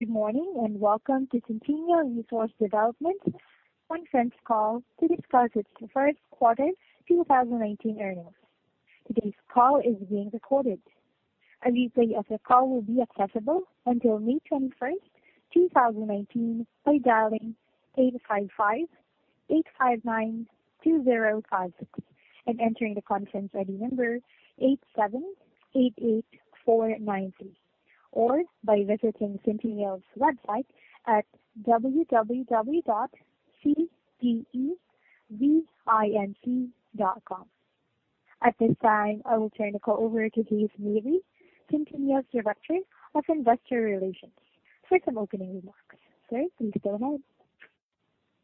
Good morning, welcome to Centennial Resource Development conference call to discuss its first quarter 2019 earnings. Today's call is being recorded. A replay of the call will be accessible until May 21st, 2019 by dialing 855-859-2056 and entering the conference ID number 8788490, or by visiting Centennial's website at www.cdevinc.com. At this time, I will turn the call over to Hays Mabry, Centennial's Director of Investor Relations for some opening remarks. Hays, you can go ahead.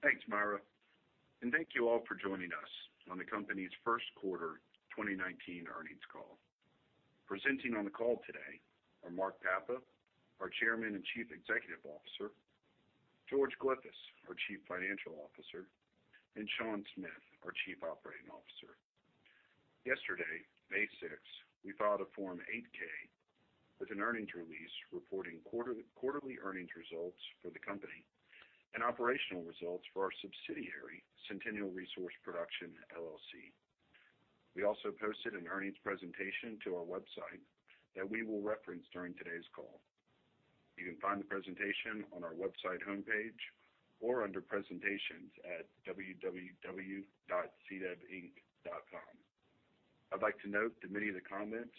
Thanks, Myra. Thank you all for joining us on the company's first quarter 2019 earnings call. Presenting on the call today are Mark Papa, our Chairman and Chief Executive Officer, George Glyphis, our Chief Financial Officer, Sean Smith, our Chief Operating Officer. Yesterday, May 6th, we filed a Form 8-K with an earnings release reporting quarterly earnings results for the company and operational results for our subsidiary, Centennial Resource Production, LLC. We also posted an earnings presentation to our website that we will reference during today's call. You can find the presentation on our website homepage or under presentations at www.cdevinc.com. I'd like to note that many of the comments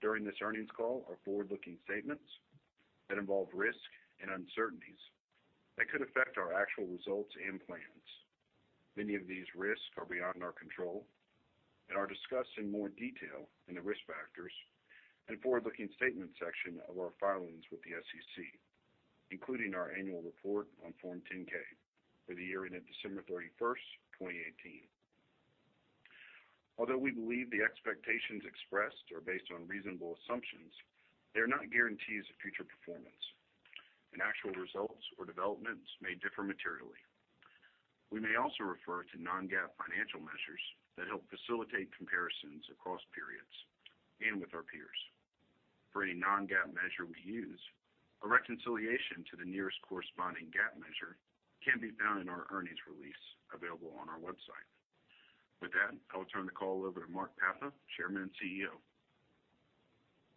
during this earnings call are forward-looking statements that involve risk and uncertainties that could affect our actual results and plans. Many of these risks are beyond our control and are discussed in more detail in the risk factors in the forward-looking statements section of our filings with the SEC, including our annual report on Form 10-K for the year ending December 31st, 2018. Although we believe the expectations expressed are based on reasonable assumptions, they are not guarantees of future performance, actual results or developments may differ materially. We may also refer to non-GAAP financial measures that help facilitate comparisons across periods and with our peers. For any non-GAAP measure we use, a reconciliation to the nearest corresponding GAAP measure can be found in our earnings release available on our website. With that, I will turn the call over to Mark Papa, Chairman and CEO.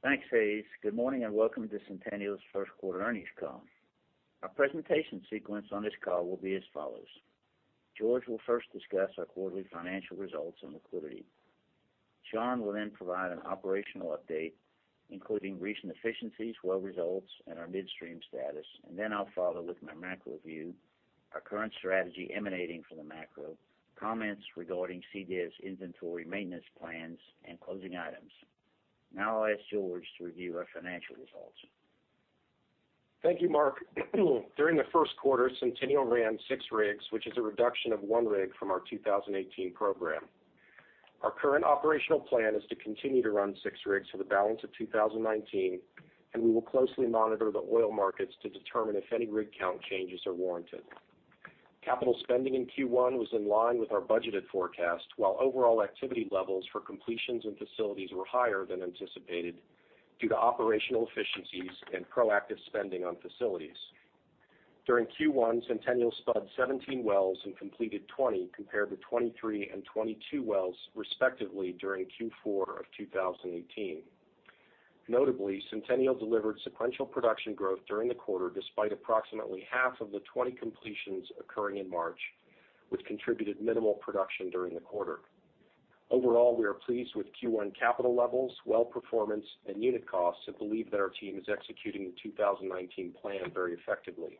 Thanks, Hays. Good morning, welcome to Centennial's first quarter earnings call. Our presentation sequence on this call will be as follows. George will first discuss our quarterly financial results and liquidity. Sean will then provide an operational update, including recent efficiencies, well results, and our midstream status. I'll follow with my macro review, our current strategy emanating from the macro, comments regarding CDEV's inventory maintenance plans, and closing items. Now I'll ask George to review our financial results. Thank you, Mark. During the first quarter, Centennial ran six rigs, which is a reduction of one rig from our 2018 program. Our current operational plan is to continue to run six rigs for the balance of 2019, and we will closely monitor the oil markets to determine if any rig count changes are warranted. Capital spending in Q1 was in line with our budgeted forecast, while overall activity levels for completions and facilities were higher than anticipated due to operational efficiencies and proactive spending on facilities. During Q1, Centennial spud 17 wells and completed 20, compared to 23 and 22 wells, respectively, during Q4 of 2018. Notably, Centennial delivered sequential production growth during the quarter, despite approximately half of the 20 completions occurring in March, which contributed minimal production during the quarter. We are pleased with Q1 capital levels, well performance, and unit costs, and believe that our team is executing the 2019 plan very effectively.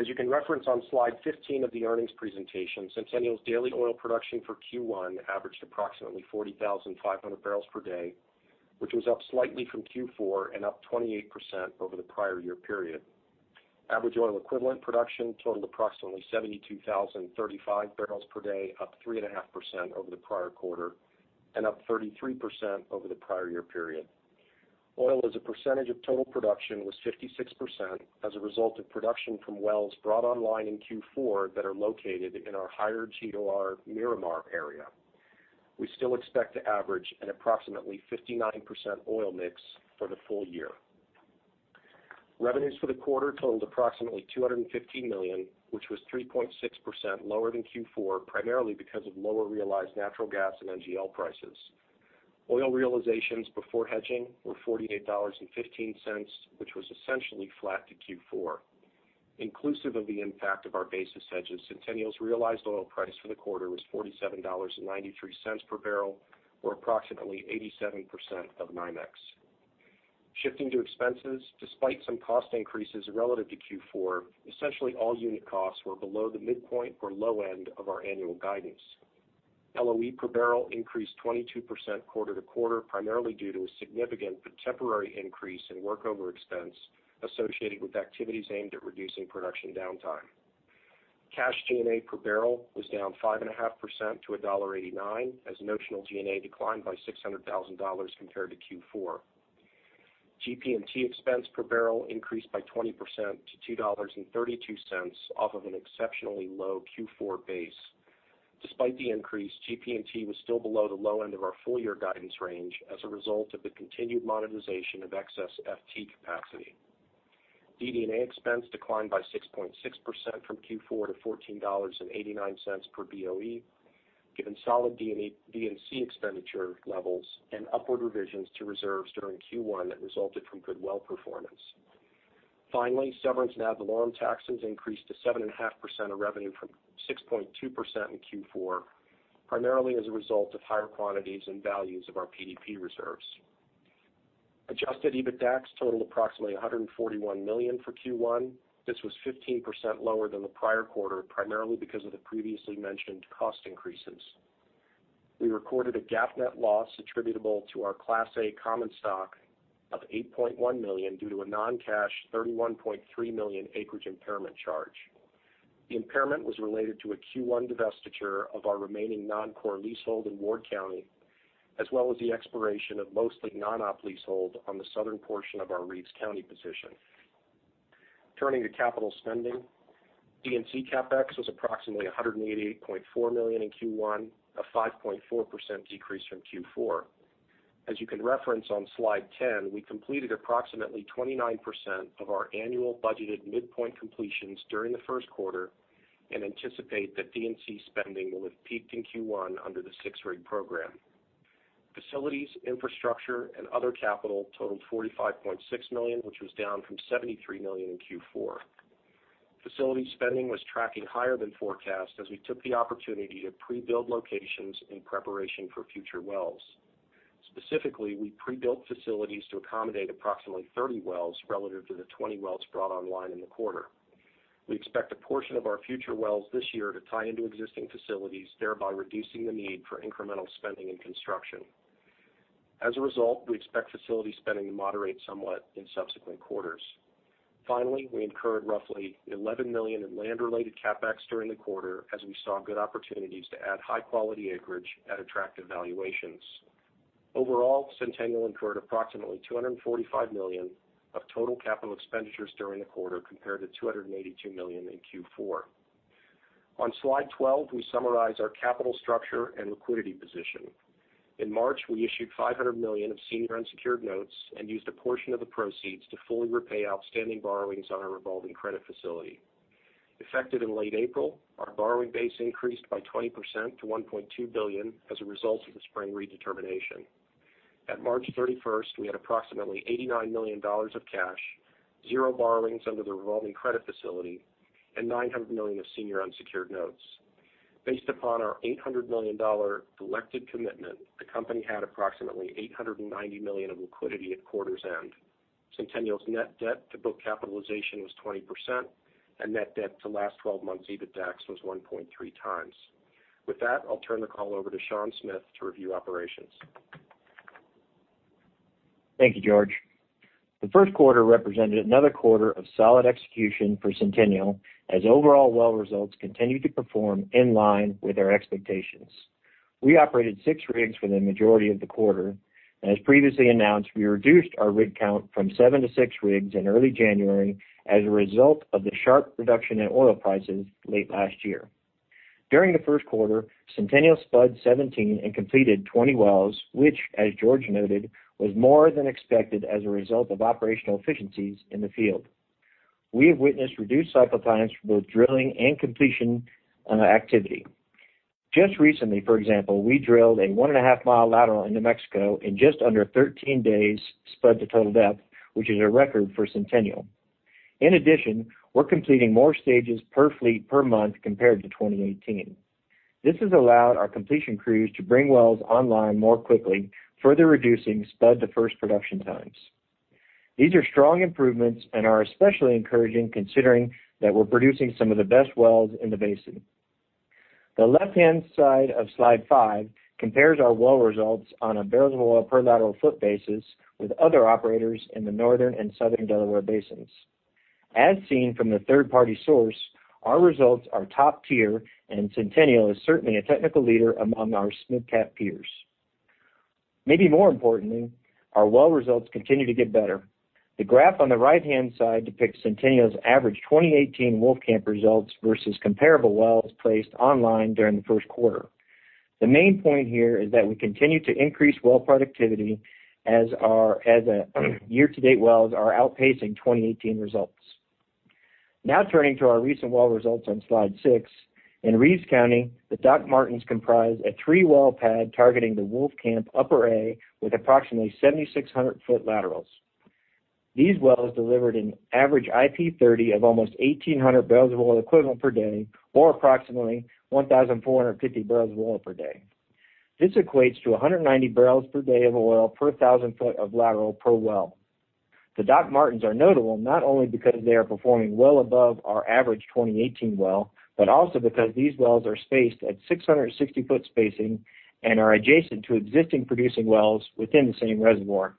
As you can reference on slide 15 of the earnings presentation, Centennial's daily oil production for Q1 averaged approximately 40,500 barrels per day, which was up slightly from Q4 and up 28% over the prior year period. Average oil equivalent production totaled approximately 72,035 barrels per day, up 3.5% over the prior quarter and up 33% over the prior year period. Oil, as a percentage of total production, was 56% as a result of production from wells brought online in Q4 that are located in our higher GOR Miramar area. We still expect to average an approximately 59% oil mix for the full year. Revenues for the quarter totaled approximately $215 million, which was 3.6% lower than Q4, primarily because of lower realized natural gas and NGL prices. Oil realizations before hedging were $48.15, which was essentially flat to Q4. Inclusive of the impact of our basis hedges, Centennial's realized oil price for the quarter was $47.93 per barrel or approximately 87% of NYMEX. Shifting to expenses, despite some cost increases relative to Q4, essentially all unit costs were below the midpoint or low end of our annual guidance. LOE per barrel increased 22% quarter-over-quarter, primarily due to a significant but temporary increase in workover expense associated with activities aimed at reducing production downtime. Cash G&A per barrel was down 5.5% to $1.89 as notional G&A declined by $600,000 compared to Q4. GP&T expense per barrel increased by 20% to $2.32 off of an exceptionally low Q4 base. Despite the increase, GP&T was still below the low end of our full-year guidance range as a result of the continued monetization of excess FT capacity. DD&A expense declined by 6.6% from Q4 to $14.89 per BOE, given solid D&C expenditure levels and upward revisions to reserves during Q1 that resulted from good well performance. Severance and ad valorem taxes increased to 7.5% of revenue from 6.2% in Q4, primarily as a result of higher quantities and values of our PDP reserves. Adjusted EBITDAX totaled approximately $141 million for Q1. This was 15% lower than the prior quarter, primarily because of the previously mentioned cost increases. We recorded a GAAP net loss attributable to our Class A common stock of $8.1 million due to a non-cash $31.3 million acreage impairment charge. The impairment was related to a Q1 divestiture of our remaining non-core leasehold in Ward County, as well as the expiration of mostly non-op leasehold on the southern portion of our Reeves County position. Turning to capital spending, D&C CapEx was approximately $188.4 million in Q1, a 5.4% decrease from Q4. As you can reference on slide 10, we completed approximately 29% of our annual budgeted midpoint completions during the first quarter and anticipate that D&C spending will have peaked in Q1 under the six-rig program. Facilities, infrastructure, and other capital totaled $45.6 million, which was down from $73 million in Q4. Facility spending was tracking higher than forecast as we took the opportunity to pre-build locations in preparation for future wells. Specifically, we pre-built facilities to accommodate approximately 30 wells relative to the 20 wells brought online in the quarter. We expect a portion of our future wells this year to tie into existing facilities, thereby reducing the need for incremental spending and construction. As a result, we expect facility spending to moderate somewhat in subsequent quarters. Finally, we incurred roughly $11 million in land-related CapEx during the quarter as we saw good opportunities to add high-quality acreage at attractive valuations. Overall, Centennial incurred approximately $245 million of total capital expenditures during the quarter, compared to $282 million in Q4. On slide 12, we summarize our capital structure and liquidity position. In March, we issued $500 million of senior unsecured notes and used a portion of the proceeds to fully repay outstanding borrowings on our revolving credit facility. Effective in late April, our borrowing base increased by 20% to $1.2 billion as a result of the spring redetermination. At March 31st, we had approximately $89 million of cash, zero borrowings under the revolving credit facility, and $900 million of senior unsecured notes. Based upon our $800 million elected commitment, the company had approximately $890 million of liquidity at quarter's end. Centennial's net debt to book capitalization was 20%, and net debt to last 12 months EBITDAX was 1.3 times. With that, I'll turn the call over to Sean Smith to review operations. Thank you, George. The first quarter represented another quarter of solid execution for Centennial as overall well results continued to perform in line with our expectations. We operated six rigs for the majority of the quarter, and as previously announced, we reduced our rig count from seven to six rigs in early January as a result of the sharp reduction in oil prices late last year. During the first quarter, Centennial spud 17 and completed 20 wells, which, as George noted, was more than expected as a result of operational efficiencies in the field. We have witnessed reduced cycle times for both drilling and completion activity. Just recently, for example, we drilled a one-and-a-half mile lateral in New Mexico in just under 13 days spud to total depth, which is a record for Centennial. In addition, we're completing more stages per fleet per month compared to 2018. This has allowed our completion crews to bring wells online more quickly, further reducing spud to first production times. These are strong improvements and are especially encouraging considering that we're producing some of the best wells in the basin. The left-hand side of slide five compares our well results on a barrels of oil per lateral foot basis with other operators in the Northern and Southern Delaware Basins. As seen from the third-party source, our results are top tier, and Centennial is certainly a technical leader among our mid-cap peers. Maybe more importantly, our well results continue to get better. The graph on the right-hand side depicts Centennial's average 2018 Wolfcamp results versus comparable wells placed online during the first quarter. The main point here is that we continue to increase well productivity as our year-to-date wells are outpacing 2018 results. Turning to our recent well results on slide six. In Reeves County, the Doc Martin comprise a three-well pad targeting the Wolfcamp Upper A with approximately 7,600-foot laterals. These wells delivered an average IP 30 of almost 1,800 barrels of oil equivalent per day or approximately 1,450 barrels of oil per day. This equates to 190 barrels per day of oil per 1,000 foot of lateral per well. The Doc Martin are notable not only because they are performing well above our average 2018 well, but also because these wells are spaced at 660-foot spacing and are adjacent to existing producing wells within the same reservoir.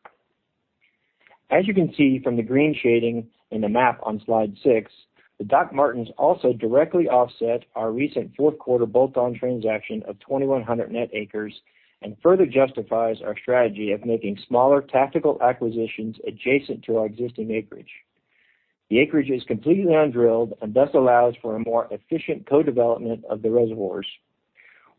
As you can see from the green shading in the map on slide six, the Doc Martin also directly offset our recent fourth quarter bolt-on transaction of 2,100 net acres and further justifies our strategy of making smaller tactical acquisitions adjacent to our existing acreage. The acreage is completely undrilled and thus allows for a more efficient co-development of the reservoirs.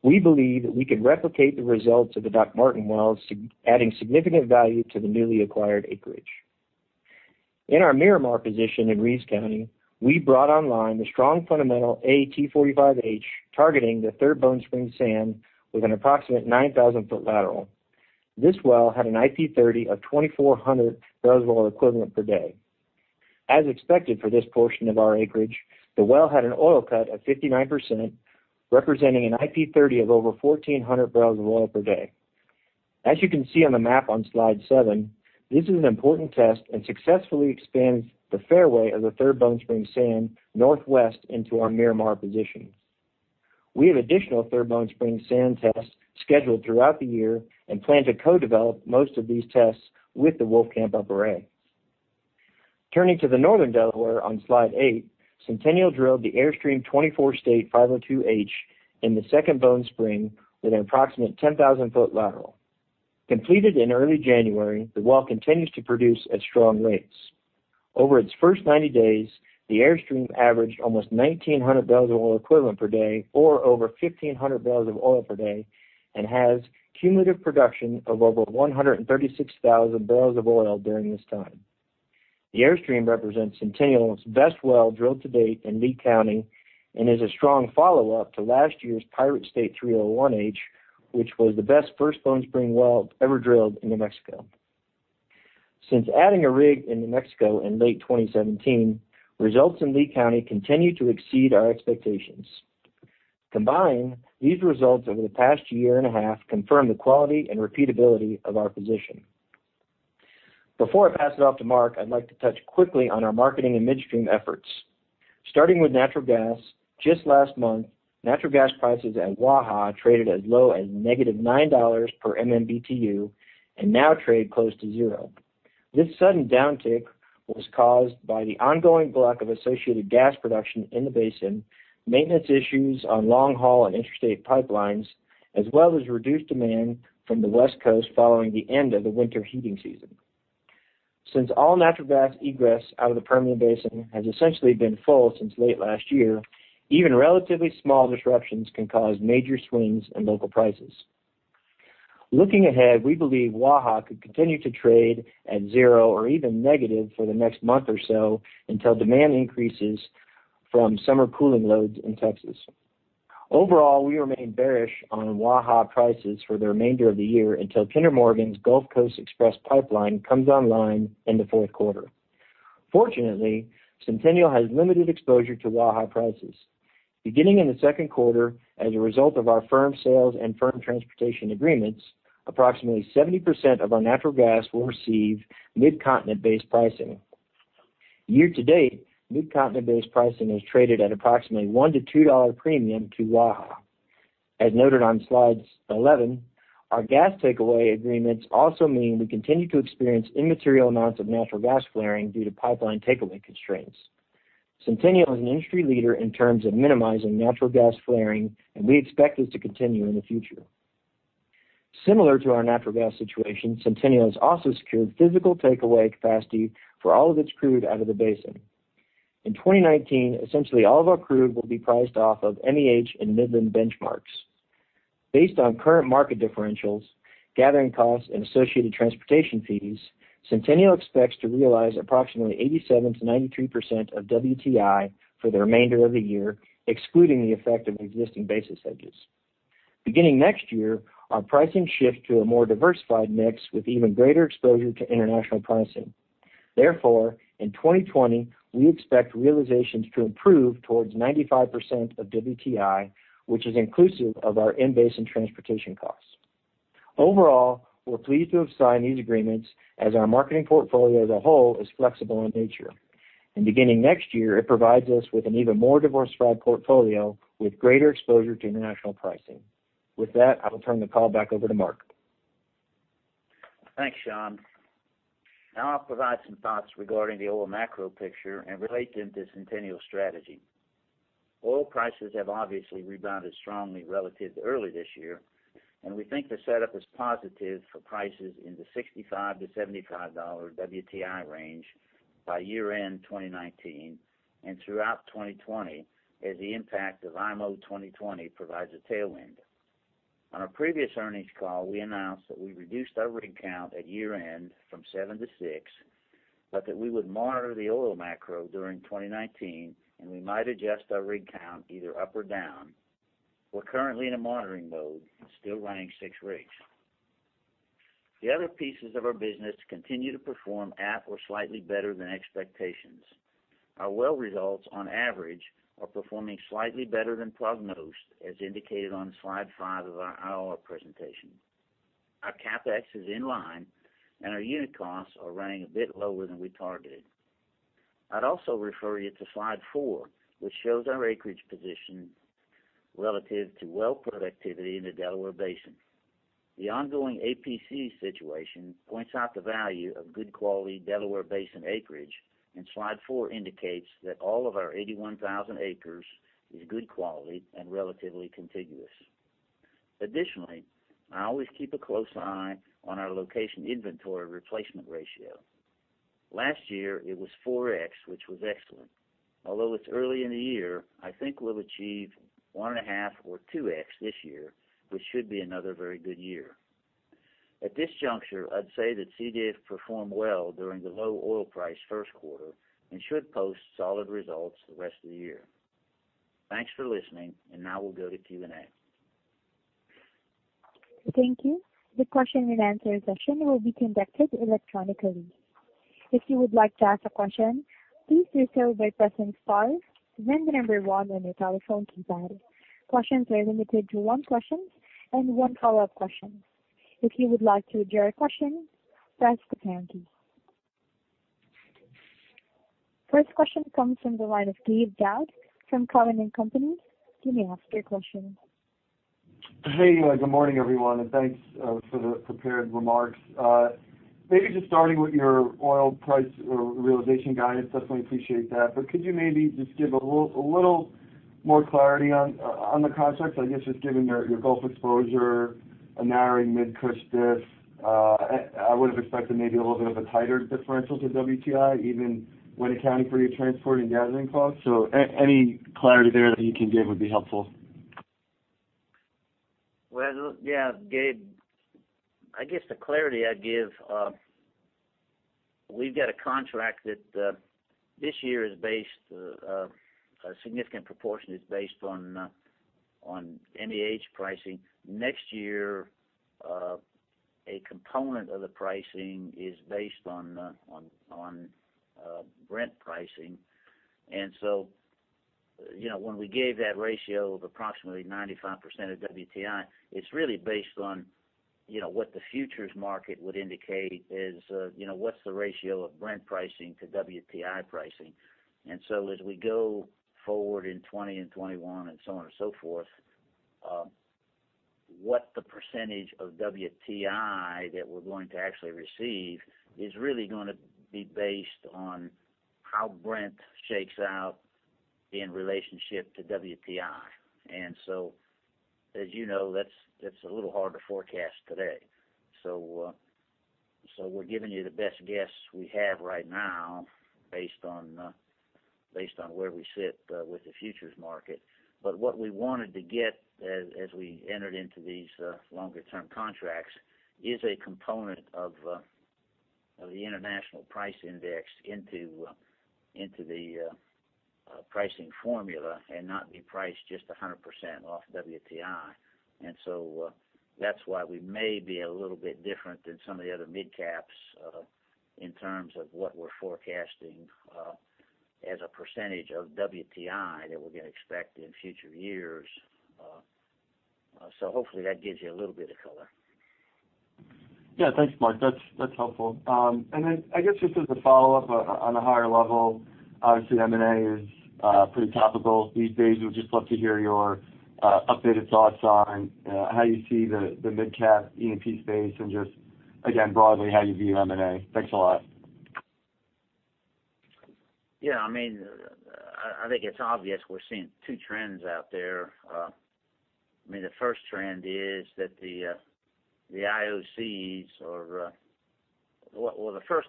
We believe that we can replicate the results of the Doc Martin wells, adding significant value to the newly acquired acreage. In our Miramar position in Reeves County, we brought online the strong fundamental A-T45H, targeting the Third Bone Spring sand with an approximate 9,000-foot lateral. This well had an IP 30 of 2,400 barrels of oil equivalent per day. As expected for this portion of our acreage, the well had an oil cut of 59%, representing an IP 30 of over 1,400 barrels of oil per day. As you can see on the map on slide seven, this is an important test and successfully expands the fairway of the Third Bone Spring sand northwest into our Miramar position. We have additional Third Bone Spring sand tests scheduled throughout the year and plan to co-develop most of these tests with the Wolfcamp Upper A. Turning to the Northern Delaware on slide eight, Centennial drilled the Airstream 24 State Com 502H in the Second Bone Spring with an approximate 10,000-foot lateral. Completed in early January, the well continues to produce at strong rates. Over its first 90 days, the Airstream averaged almost 1,900 barrels of oil equivalent per day or over 1,500 barrels of oil per day, and has cumulative production of over 136,000 barrels of oil during this time. The Airstream represents Centennial's best well drilled to date in Lea County and is a strong follow-up to last year's Pirate State 301H, which was the best First Bone Spring well ever drilled in New Mexico. Since adding a rig in New Mexico in late 2017, results in Lea County continue to exceed our expectations. Combined, these results over the past year and a half confirm the quality and repeatability of our position. Before I pass it off to Mark, I would like to touch quickly on our marketing and midstream efforts. Starting with natural gas, just last month, natural gas prices at WAHA traded as low as negative $9 per MMBtu and now trade close to zero. This sudden downtick was caused by the ongoing lack of associated gas production in the basin, maintenance issues on long-haul and interstate pipelines, as well as reduced demand from the West Coast following the end of the winter heating season. Since all natural gas egress out of the Permian Basin has essentially been full since late last year, even relatively small disruptions can cause major swings in local prices. Looking ahead, we believe WAHA could continue to trade at zero or even negative for the next month or so until demand increases from summer cooling loads in Texas. Overall, we remain bearish on WAHA prices for the remainder of the year until Kinder Morgan's Gulf Coast Express pipeline comes online in the fourth quarter. Fortunately, Centennial has limited exposure to WAHA prices. Beginning in the second quarter, as a result of our firm sales and firm transportation agreements, approximately 70% of our natural gas will receive Mid-Continent-based pricing. Year to date, Mid-Continent-based pricing has traded at approximately a $1-$2 premium to WAHA. As noted on slides 11, our gas takeaway agreements also mean we continue to experience immaterial amounts of natural gas flaring due to pipeline takeaway constraints. Centennial is an industry leader in terms of minimizing natural gas flaring, and we expect this to continue in the future. Similar to our natural gas situation, Centennial has also secured physical takeaway capacity for all of its crude out of the basin. In 2019, essentially all of our crude will be priced off of MEH and Midland benchmarks. Based on current market differentials, gathering costs, and associated transportation fees, Centennial expects to realize approximately 87%-93% of WTI for the remainder of the year, excluding the effect of existing basis hedges. Beginning next year, our pricing shift to a more diversified mix with even greater exposure to international pricing. Therefore, in 2020, we expect realizations to improve towards 95% of WTI, which is inclusive of our in-basin transportation costs. Overall, we are pleased to have signed these agreements as our marketing portfolio as a whole is flexible in nature. Beginning next year, it provides us with an even more diversified portfolio with greater exposure to international pricing. With that, I will turn the call back over to Mark. Thanks, Sean Smith. I'll provide some thoughts regarding the oil macro picture and relate them to Centennial strategy. Oil prices have obviously rebounded strongly relative to early this year, we think the setup is positive for prices in the $65-$75 WTI range by year-end 2019 and throughout 2020 as the impact of IMO 2020 provides a tailwind. On our previous earnings call, we announced that we reduced our rig count at year-end from seven to six, we would monitor the oil macro during 2019, we might adjust our rig count either up or down. We're currently in a monitoring mode and still running six rigs. The other pieces of our business continue to perform at or slightly better than expectations. Our well results, on average, are performing slightly better than prognosed, as indicated on slide five of our IR presentation. Our CapEx is in line, our unit costs are running a bit lower than we targeted. I'd also refer you to slide four, which shows our acreage position relative to well productivity in the Delaware Basin. The ongoing APC situation points out the value of good quality Delaware Basin acreage, slide four indicates that all of our 81,000 acres is good quality and relatively contiguous. Additionally, I always keep a close eye on our location inventory replacement ratio. Last year, it was 4X, which was excellent. Although it's early in the year, I think we'll achieve 1.5 or 2X this year, which should be another very good year. At this juncture, I'd say that CDEV performed well during the low oil price first quarter and should post solid results the rest of the year. Thanks for listening, we'll go to Q&A. Thank you. The question and answer session will be conducted electronically. If you would like to ask a question, please do so by pressing star, then the number one on your telephone keypad. Questions are limited to one question and one follow-up question. If you would like to withdraw a question, press the pound key. First question comes from the line of Gabe Daoud from Cowen and Company. You may ask your question. Hey, good morning, everyone, thanks for the prepared remarks. Maybe just starting with your oil price realization guidance, definitely appreciate that, could you maybe just give a little more clarity on the contracts? I guess just given your Gulf exposure, a narrowing Midland-Cushing diff, I would've expected maybe a little bit of a tighter differential to WTI, even when accounting for your transport and gathering costs. Any clarity there that you can give would be helpful. Gabe, I guess the clarity I'd give, we've got a contract that this year a significant proportion is based on MEH pricing. Next year, a component of the pricing is based on Brent pricing. When we gave that ratio of approximately 95% of WTI, it's really based on what the futures market would indicate is what's the ratio of Brent pricing to WTI pricing. As we go forward in 2020 and 2021 and so on and so forth, what the percentage of WTI that we're going to actually receive is really going to be based on how Brent shakes out in relationship to WTI. As you know, that's a little hard to forecast today. We're giving you the best guess we have right now based on where we sit with the futures market. What we wanted to get, as we entered into these longer term contracts, is a component of the international price index into the pricing formula and not be priced just 100% off WTI. That's why we may be a little bit different than some of the other mid-caps in terms of what we're forecasting as a percentage of WTI that we're going to expect in future years. Hopefully that gives you a little bit of color. Thanks, Mark. That's helpful. I guess just as a follow-up on a higher level, obviously M&A is pretty topical these days. Would just love to hear your updated thoughts on how you see the mid-cap E&P space and just, again, broadly, how you view M&A. Thanks a lot. I think it's obvious we're seeing two trends out there. The first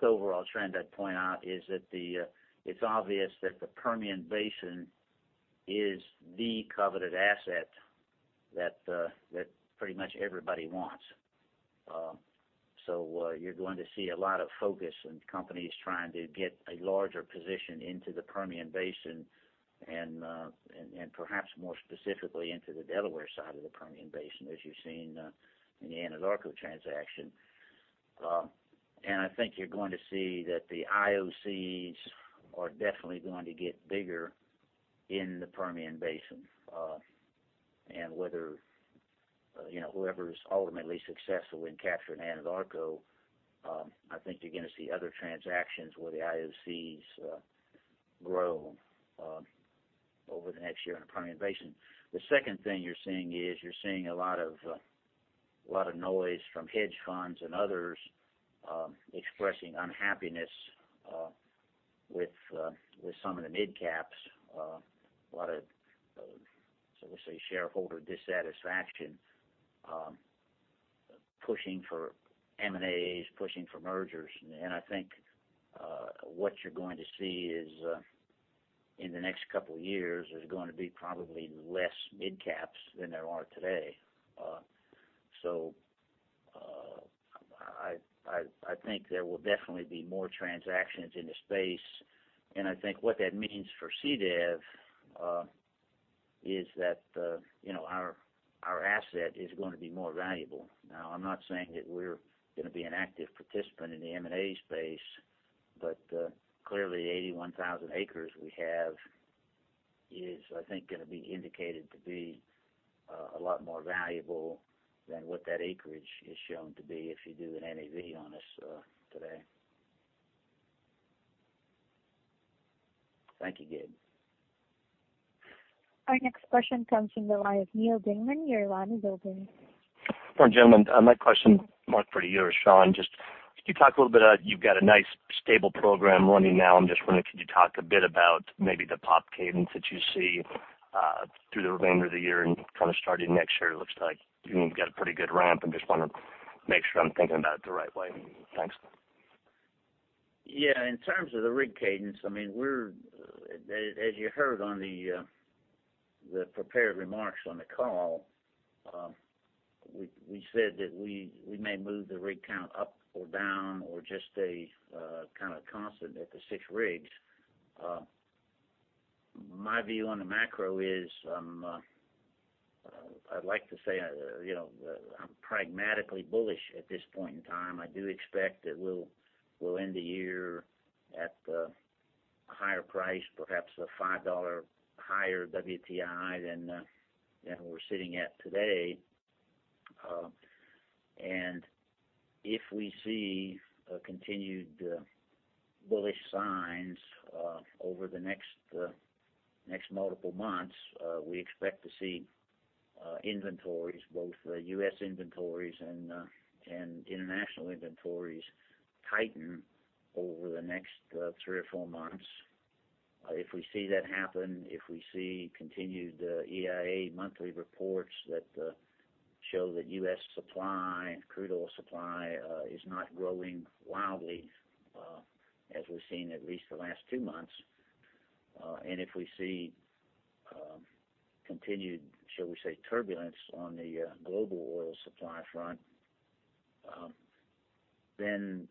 overall trend I'd point out is that it's obvious that the Permian Basin is the coveted asset that pretty much everybody wants. You're going to see a lot of focus and companies trying to get a larger position into the Permian Basin and perhaps more specifically into the Delaware side of the Permian Basin, as you've seen in the Anadarko transaction. I think you're going to see that the IOCs are definitely going to get bigger in the Permian Basin. Whoever's ultimately successful in capturing Anadarko, I think you're going to see other transactions where the IOCs grow over the next year in the Permian Basin. The second thing you're seeing is you're seeing a lot of noise from hedge funds and others expressing unhappiness with some of the mid-caps, a lot of, let's say, shareholder dissatisfaction pushing for M&As, pushing for mergers. I think what you're going to see is in the next couple of years, there's going to be probably less mid-caps than there are today. I think there will definitely be more transactions in the space, and I think what that means for CDEV is that our asset is going to be more valuable. Now, I'm not saying that we're going to be an active participant in the M&A space, but clearly 81,000 acres we have is, I think, going to be indicated to be a lot more valuable than what that acreage has shown to be if you do an NAV on us today. Thank you, Gabe. Our next question comes from the line of Neal Dingmann. Your line is open. Morning, gentlemen. My question, Mark, for you or Sean, just could you talk a little bit about you've got a nice stable program running now, I'm just wondering, could you talk a bit about maybe the pad cadence that you see through the remainder of the year and starting next year? It looks like you've got a pretty good ramp. I just want to make sure I'm thinking about it the right way. Thanks. Yeah. In terms of the rig cadence, as you heard on the prepared remarks on the call, we said that we may move the rig count up or down, or just stay constant at the six rigs. My view on the macro is, I'd like to say, I'm pragmatically bullish at this point in time. I do expect that we'll end the year at a higher price, perhaps a $5 higher WTI than we're sitting at today. If we see continued bullish signs over the next multiple months, we expect to see inventories, both U.S. inventories and international inventories, tighten over the next three or four months. If we see that happen, if we see continued EIA monthly reports that show that U.S. supply and crude oil supply is not growing wildly, as we've seen at least the last two months, if we see continued, shall we say, turbulence on the global oil supply front, then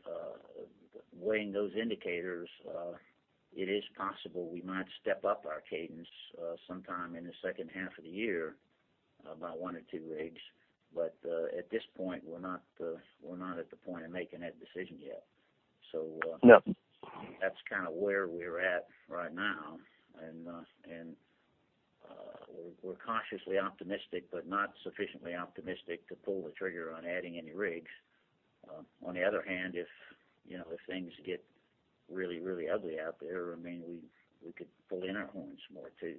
weighing those indicators, it is possible we might step up our cadence sometime in the second half of the year by one or two rigs. At this point, we're not at the point of making that decision yet. Yep. That's where we're at right now. We're cautiously optimistic, but not sufficiently optimistic to pull the trigger on adding any rigs. On the other hand, if things get really ugly out there, we could pull in our horns more, too.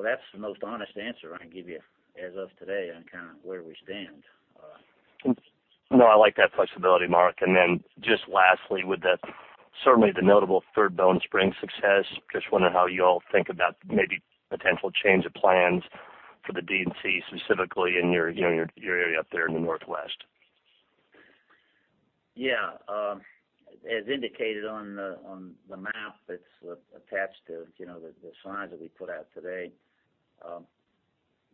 That's the most honest answer I can give you as of today on where we stand. No, I like that flexibility, Mark. Then just lastly, with the certainly the notable Third Bone Spring success, just wondering how you all think about maybe potential change of plans for the D&C, specifically in your area up there in the northwest. Yeah. As indicated on the map that's attached to the slides that we put out today,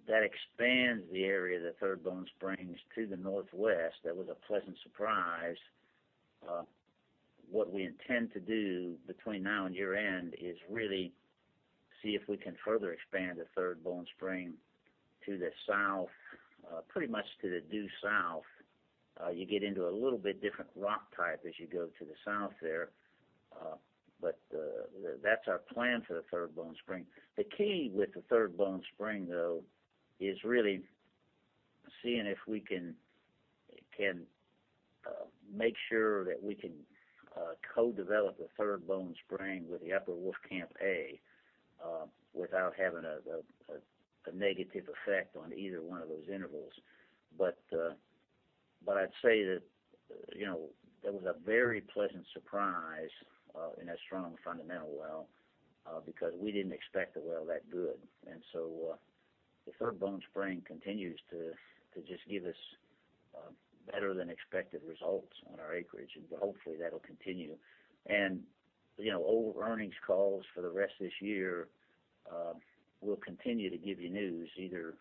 that expands the area of the Third Bone Spring to the northwest. That was a pleasant surprise. What we intend to do between now and year-end is really see if we can further expand the Third Bone Spring to the south, pretty much to the due south. You get into a little bit different rock type as you go to the south there. That's our plan for the Third Bone Spring. The key with the Third Bone Spring, though, is really seeing if we can make sure that we can co-develop the Third Bone Spring with the Upper Wolfcamp A, without having a negative effect on either one of those intervals. I'd say that was a very pleasant surprise in that Strong Fundamental well, because we didn't expect the well that good. The Third Bone Spring continues to just give us better than expected results on our acreage, and hopefully that'll continue. Over earnings calls for the rest of this year, we'll continue to give you news, either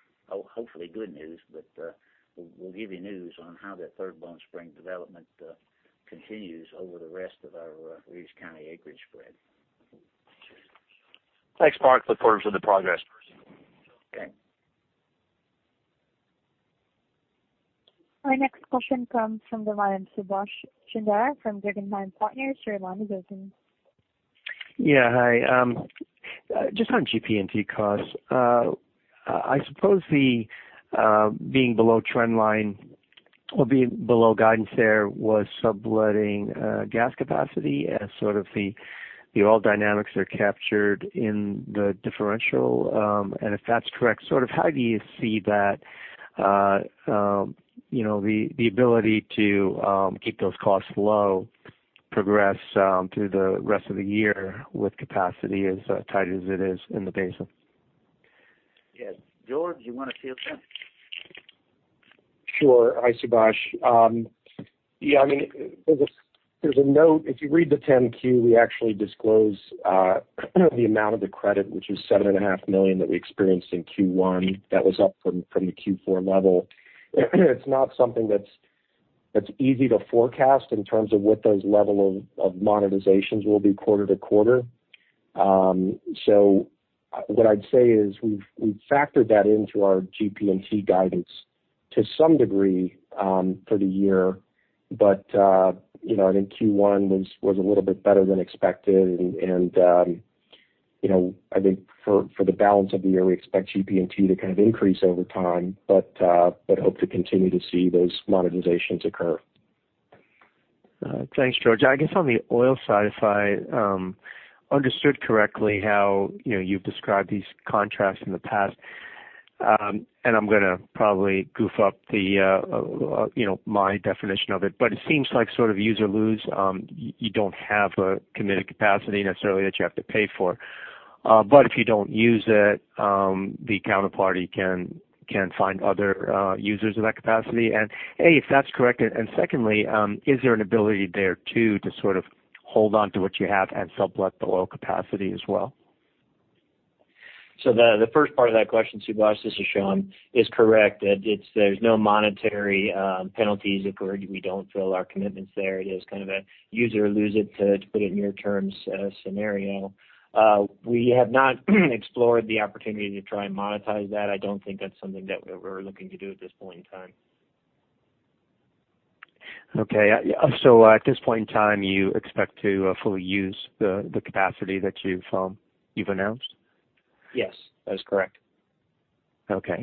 hopefully good news, but we'll give you news on how that Third Bone Spring development continues over the rest of our Reeves County acreage spread. Thanks, Mark. Look forward to the progress. Okay. Our next question comes from the line, Subash Chandra from Guggenheim Partners. Your line is open. Yeah. Hi. Just on GP&T costs. I suppose the being below trend line or being below guidance there was subletting gas capacity as sort of the oil dynamics are captured in the differential. If that's correct, how do you see that the ability to keep those costs low progress through the rest of the year with capacity as tight as it is in the basin? Yes. George, you want to field that? Sure. Hi, Subash. There's a note, if you read the 10-Q, we actually disclose the amount of the credit, which is $7.5 million that we experienced in Q1. That was up from the Q4 level. It's not something that's easy to forecast in terms of what those level of monetizations will be quarter to quarter. What I'd say is we've factored that into our GP&T guidance to some degree for the year. I think Q1 was a little bit better than expected, and I think for the balance of the year, we expect GP&T to increase over time, but hope to continue to see those monetizations occur. Thanks, George. I guess on the oil side, if I understood correctly how you've described these contracts in the past, I'm going to probably goof up my definition of it seems like sort of use or lose, you don't have a committed capacity necessarily that you have to pay for. If you don't use it, the counterparty can find other users of that capacity if that's correct, and secondly, is there an ability there too, to sort of hold on to what you have and sublet the oil capacity as well? The first part of that question, Subash, this is Sean, is correct. There's no monetary penalties if we don't fill our commitments there. It is a use it or lose it, to put it in near terms scenario. We have not explored the opportunity to try and monetize that. I don't think that's something that we're looking to do at this point in time. Okay. At this point in time, you expect to fully use the capacity that you've announced? Yes, that is correct. Okay.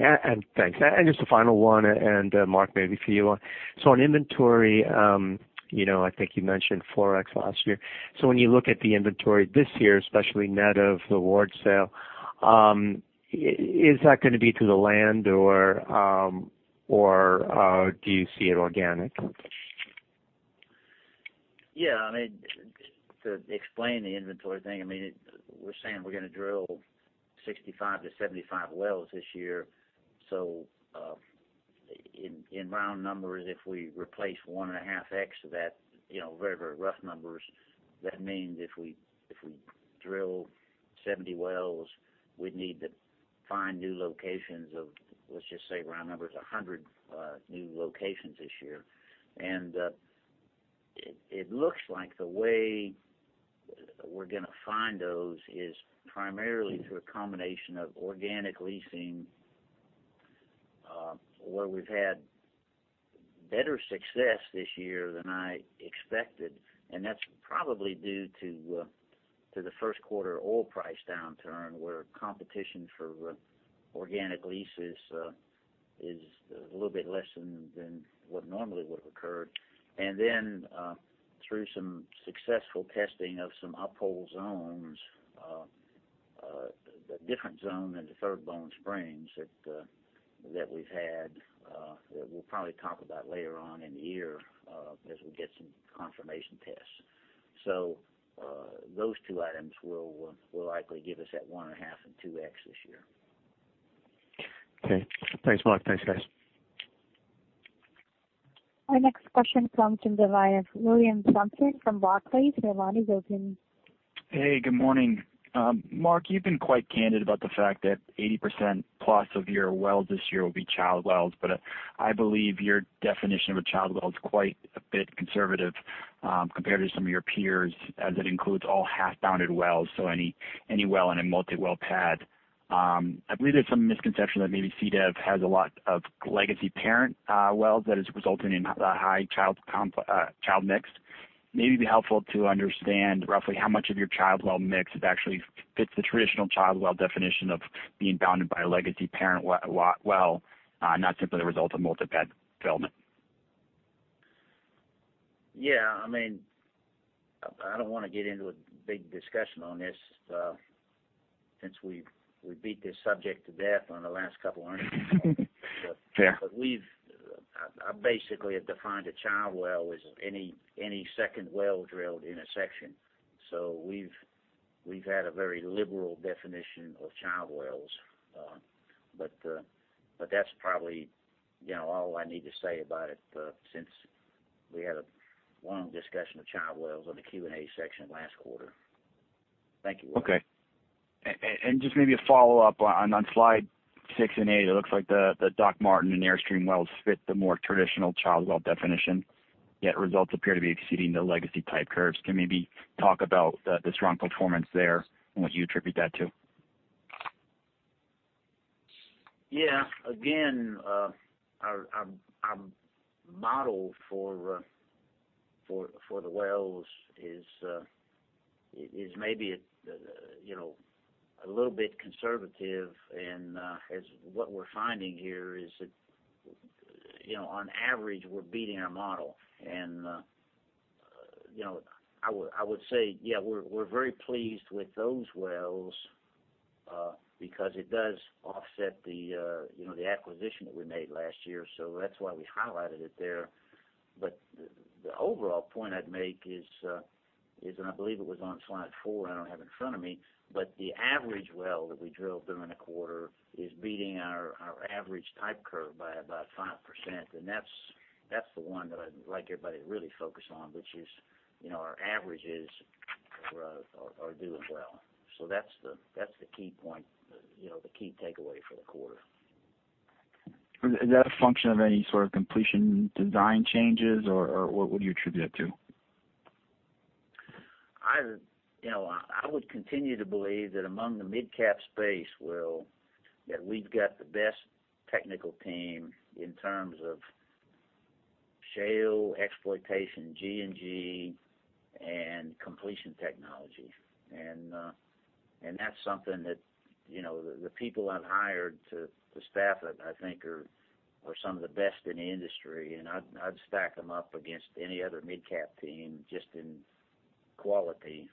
Thanks. Just a final one, and Mark, maybe for you. On inventory, I think you mentioned 4x last year. When you look at the inventory this year, especially net of the Ward sale, is that going to be through the land or do you see it organic? Yeah. To explain the inventory thing, we're saying we're going to drill 65 to 75 wells this year. In round numbers, if we replace one and a half x of that, very rough numbers, that means if we drill 70 wells, we'd need to find new locations of, let's just say round numbers, 100 new locations this year. It looks like the way we're going to find those is primarily through a combination of organic leasing, where we've had better success this year than I expected, and that's probably due to the first quarter oil price downturn, where competition for organic leases is a little bit less than what normally would have occurred. Through some successful testing of some up-hole zones, a different zone than the Third Bone Spring that we've had, that we'll probably talk about later on in the year as we get some confirmation tests. Those two items will likely give us that 1.5x and 2x this year. Okay. Thanks, Mark. Thanks, guys. Our next question comes from the line of William Thompson from Barclays. Your line is open. Hey, good morning. Mark, you've been quite candid about the fact that 80%+ of your wells this year will be child wells, I believe your definition of a child well is quite a bit conservative compared to some of your peers, as it includes all half-bounded wells, so any well in a multi-well pad. I believe there's some misconception that maybe CDEV has a lot of legacy parent wells that is resulting in a high child mix. Maybe it'd be helpful to understand roughly how much of your child well mix actually fits the traditional child well definition of being bounded by a legacy parent well, not simply the result of multi-pad development. I don't want to get into a big discussion on this since we beat this subject to death on the last couple of earnings calls. Yeah. We've basically have defined a child well as any second well drilled in a section. We've had a very liberal definition of child wells. That's probably all I need to say about it since we had a long discussion of child wells on the Q&A section last quarter. Thank you, William. Just maybe a follow-up on slide six and eight, it looks like the Doc Martin and Airstream wells fit the more traditional child well definition, yet results appear to be exceeding the legacy type curves. Can you maybe talk about the strong performance there and what you attribute that to? Again, our model for the wells is maybe a little bit conservative, and as what we're finding here is that on average, we're beating our model. I would say, yeah, we're very pleased with those wells because it does offset the acquisition that we made last year, so that's why we highlighted it there. The overall point I'd make is, and I believe it was on slide four, I don't have it in front of me, but the average well that we drilled during the quarter is beating our average type curve by about 5%. That's the one that I'd like everybody to really focus on, which is our averages are doing well. That's the key point, the key takeaway for the quarter. Is that a function of any sort of completion design changes, or what would you attribute that to? I would continue to believe that among the mid-cap space well, that we've got the best technical team in terms of shale exploitation, G&G and completion technology. That's something that the people I've hired to staff it, I think are some of the best in the industry, and I'd stack them up against any other mid-cap team just in quality.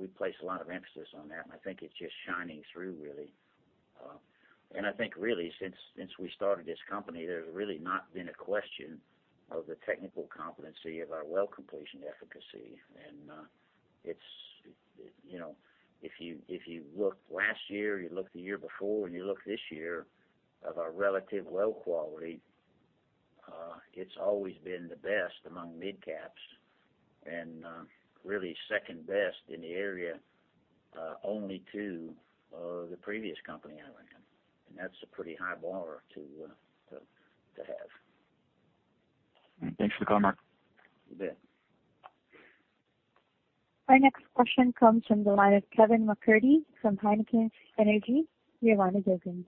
We place a lot of emphasis on that, and I think it's just shining through, really. I think really, since we started this company, there's really not been a question of the technical competency of our well completion efficacy. If you look last year, you look the year before, and you look this year of our relative well quality, it's always been the best among mid caps and really second-best in the area only to the previous company I ran. That's a pretty high bar to have. Thanks for the comment. You bet. Our next question comes from the line of Kevin MacCurdy from Heikkinen Energy Advisors. Your line is open.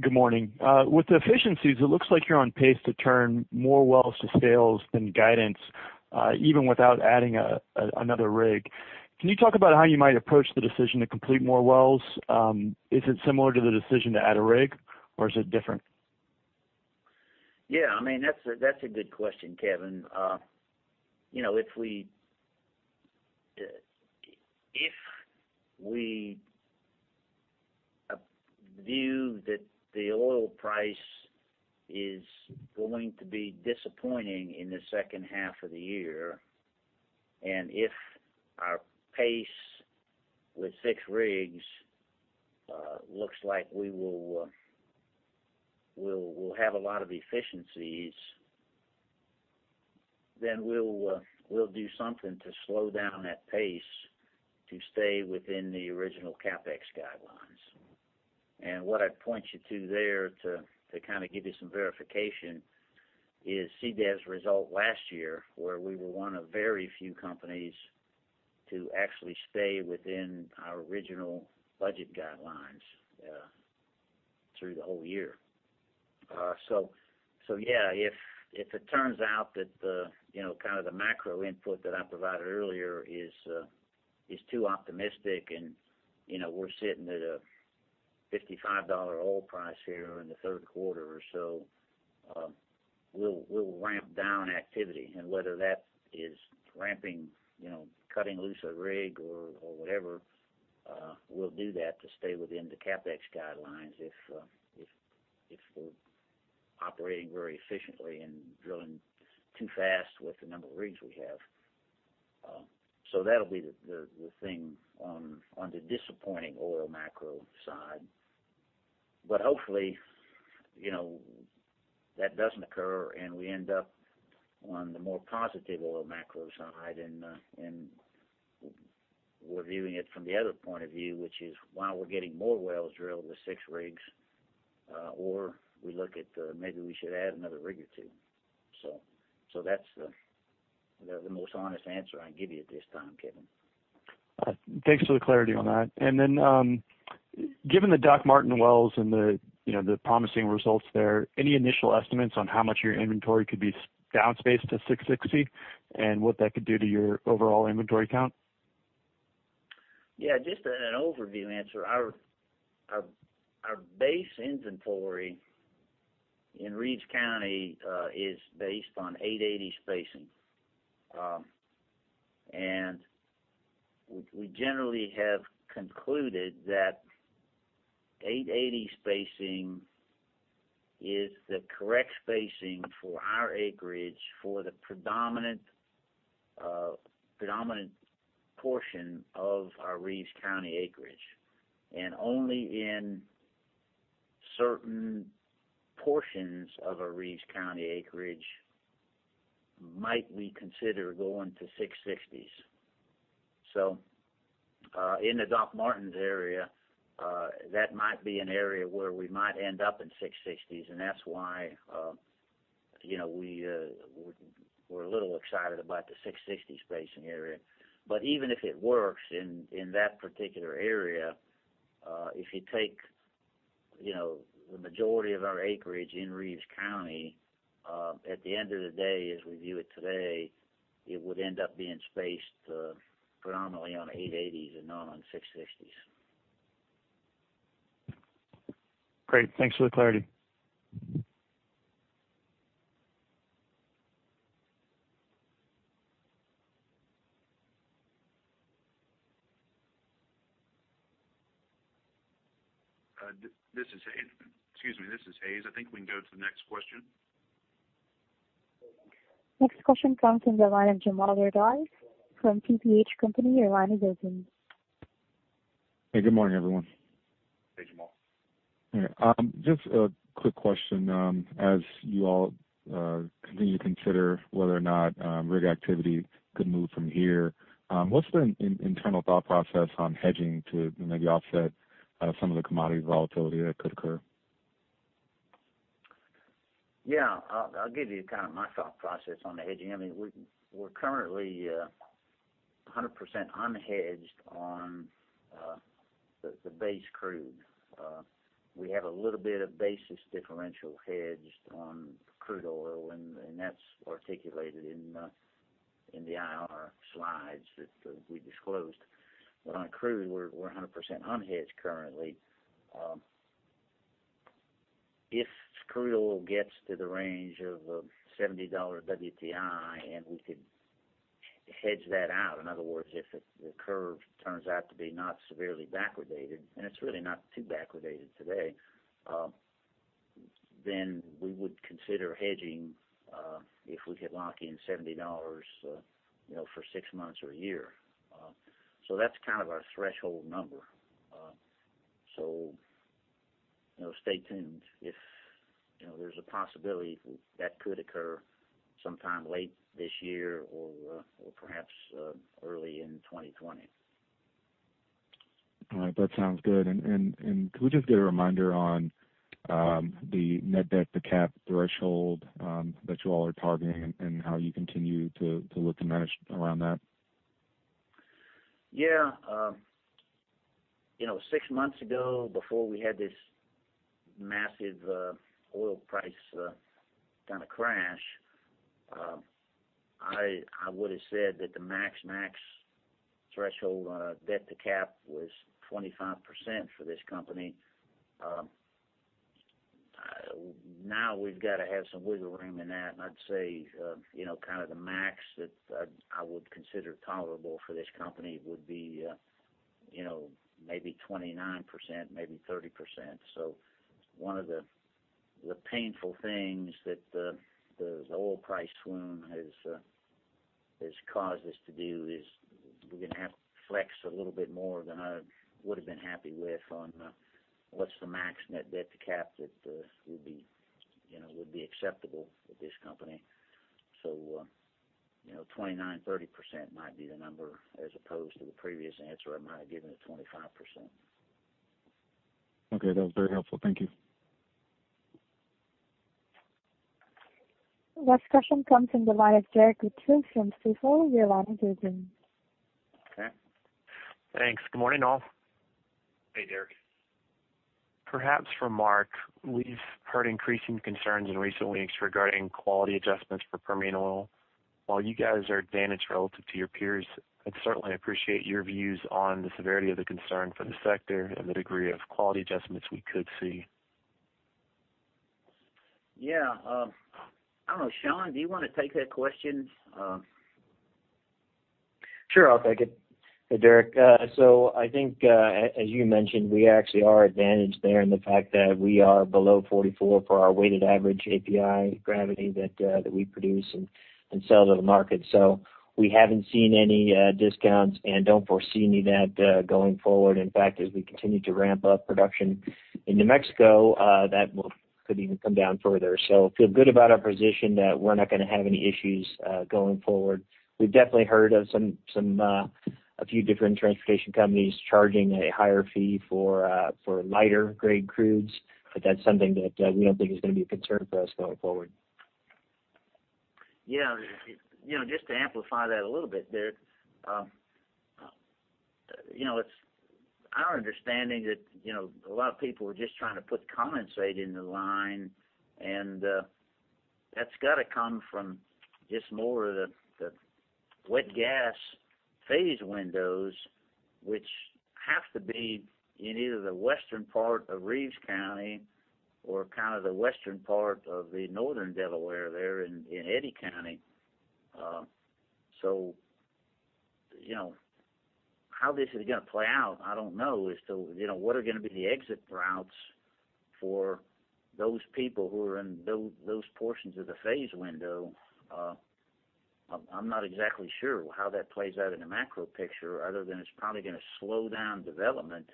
Good morning. With efficiencies, it looks like you're on pace to turn more wells to sales than guidance, even without adding another rig. Can you talk about how you might approach the decision to complete more wells? Is it similar to the decision to add a rig, or is it different? Yeah, that's a good question, Kevin. If we view that the oil price is going to be disappointing in the second half of the year, and if our pace with six rigs looks like we'll have a lot of efficiencies, then we'll do something to slow down that pace to stay within the original CapEx guidelines. What I'd point you to there to give you some verification is CDEV's result last year, where we were one of very few companies to actually stay within our original budget guidelines through the whole year. Yeah, if it turns out that the macro input that I provided earlier is too optimistic and we're sitting at a $55 oil price here in the third quarter or so, we'll ramp down activity. Whether that is cutting loose a rig or whatever, we'll do that to stay within the CapEx guidelines if we're operating very efficiently and drilling too fast with the number of rigs we have. That'll be the thing on the disappointing oil macro side. Hopefully, that doesn't occur, and we end up on the more positive oil macro side, and we're viewing it from the other point of view, which is, "Wow, we're getting more wells drilled with six rigs," or we look at maybe we should add another rig or two. That's the most honest answer I can give you at this time, Kevin. Thanks for the clarity on that. Given the Doc Martin wells and the promising results there, any initial estimates on how much your inventory could be down spaced to 660, and what that could do to your overall inventory count? Yeah, just an overview answer. Our base inventory in Reeves County is based on 880 spacing. We generally have concluded that 880 spacing is the correct spacing for our acreage for the predominant portion of our Reeves County acreage. Only in certain portions of our Reeves County acreage might we consider going to 660s. In the Doc Martin area, that might be an area where we might end up in 660s, and that's why we're a little excited about the 660 spacing area. Even if it works in that particular area, if you take the majority of our acreage in Reeves County, at the end of the day, as we view it today, it would end up being spaced predominantly on 880s and not on 660s. Great. Thanks for the clarity. This is Hays. I think we can go to the next question. Next question comes from the line of Jamal Lorduis from TPH Company. Your line is open. Hey, good morning, everyone. Hey, Jamal. Just a quick question. As you all continue to consider whether or not rig activity could move from here, what's the internal thought process on hedging to maybe offset some of the commodity volatility that could occur? Yeah. I'll give you my thought process on the hedging. We're currently 100% unhedged on the base crude. We have a little bit of basis differential hedged on crude oil, and that's articulated in the IR slides that we disclosed. On crude, we're 100% unhedged currently. If crude oil gets to the range of $70 WTI and we could hedge that out, in other words, if the curve turns out to be not severely backwardated, and it's really not too backwardated today, then we would consider hedging if we could lock in $70 for six months or a year. That's our threshold number. Stay tuned if there's a possibility that could occur sometime late this year or perhaps early in 2020. All right. That sounds good. Could we just get a reminder on the net debt to cap threshold that you all are targeting and how you continue to look to manage around that? Yeah. Six months ago, before we had this massive oil price crash, I would've said that the max threshold on our debt to cap was 25% for this company. We've got to have some wiggle room in that, and I'd say the max that I would consider tolerable for this company would be maybe 29%, maybe 30%. One of the painful things that the oil price swoon has caused us to do is we're going to have to flex a little bit more than I would've been happy with on what's the max net debt to cap that would be acceptable for this company. 29%, 30% might be the number as opposed to the previous answer I might have given of 25%. Okay. That was very helpful. Thank you. Last question comes in the line of Derrick Mitchell from CFOL. Your line is open. Okay. Thanks. Good morning, all. Hey, Derrick. Perhaps for Mark Papa, we've heard increasing concerns in recent weeks regarding quality adjustments for Permian oil. While you guys are advantaged relative to your peers, I'd certainly appreciate your views on the severity of the concern for the sector and the degree of quality adjustments we could see. Yeah. I don't know, Sean, do you want to take that question? Sure, I'll take it. Hey, Derrick. I think, as you mentioned, we actually are advantaged there in the fact that we are below 44 for our weighted average API gravity that we produce and sell to the market. We haven't seen any discounts and don't foresee any of that going forward. In fact, as we continue to ramp up production in New Mexico, that could even come down further. Feel good about our position that we're not going to have any issues going forward. We've definitely heard of a few different transportation companies charging a higher fee for lighter grade crudes, that's something that we don't think is going to be a concern for us going forward. Yeah. Just to amplify that a little bit, Derrick. It's our understanding that a lot of people are just trying to put condensate in the line, that's got to come from just more of the wet gas phase windows, which have to be in either the western part of Reeves County or the western part of the northern Delaware there in Eddy County. How this is going to play out, I don't know. As to what are going to be the exit routes for those people who are in those portions of the phase window. I'm not exactly sure how that plays out in the macro picture other than it's probably going to slow down development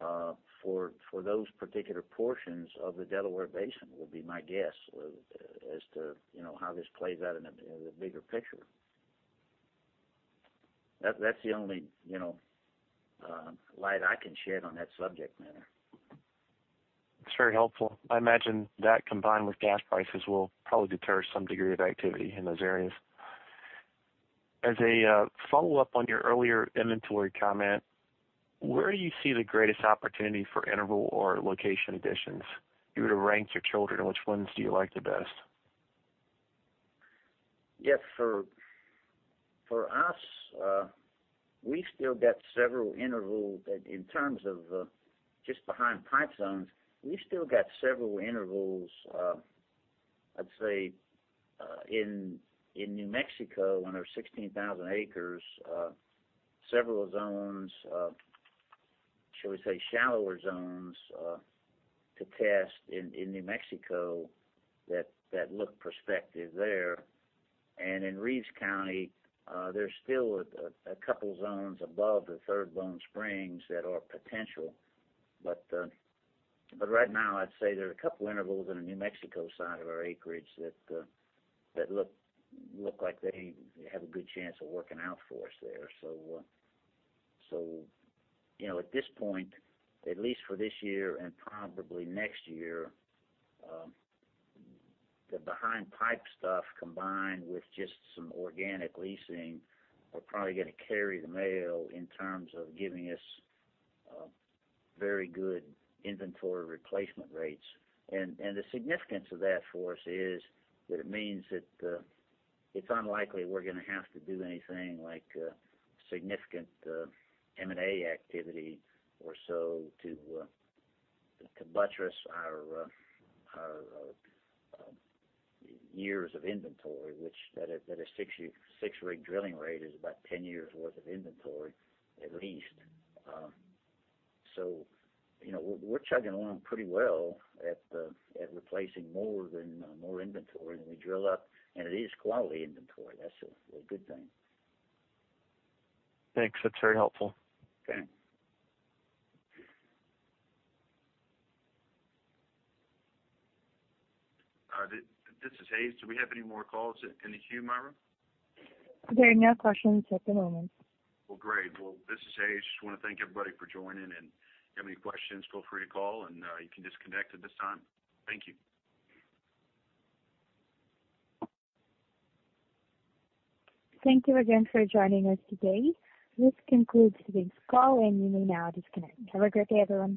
for those particular portions of the Delaware Basin, would be my guess as to how this plays out in the bigger picture. That's the only light I can shed on that subject matter. It's very helpful. I imagine that combined with gas prices will probably deter some degree of activity in those areas. As a follow-up on your earlier inventory comment, where do you see the greatest opportunity for interval or location additions? If you were to rank your children, which ones do you like the best? For us, we still got several intervals that in terms of just behind pipe zones, we still got several intervals, I'd say, in New Mexico on our 16,000 acres, several zones, shall we say shallower zones to test in New Mexico that look prospective there. In Reeves County, there's still a couple zones above the Third Bone Spring that are potential. Right now, I'd say there are a couple intervals in the New Mexico side of our acreage that look like they have a good chance of working out for us there. At this point, at least for this year and probably next year, the behind pipe stuff combined with just some organic leasing are probably going to carry the mail in terms of giving us very good inventory replacement rates. The significance of that for us is that it means that it's unlikely we're going to have to do anything like significant M&A activity or so to buttress our years of inventory, which at a six-rig drilling rate is about 10 years worth of inventory at least. We're chugging along pretty well at replacing more inventory than we drill up, and it is quality inventory. That's a good thing. Thanks. That's very helpful. Okay. This is Hays. Do we have any more calls in the queue, Myra? There are no questions at the moment. Well, great. Well, this is Hays. Just want to thank everybody for joining in. If you have any questions, feel free to call. You can disconnect at this time. Thank you. Thank you again for joining us today. This concludes today's call, and you may now disconnect. Have a great day, everyone.